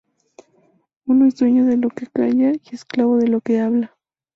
Uno es dueño de lo que calla y esclavo de lo que habla